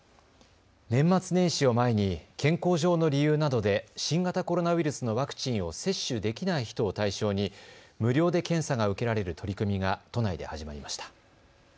年末年始を前に健康上の理由などで新型コロナウイルスのワクチンを接種できない人を対象に無料で検査が受けられる取り組みが都内で始まりました。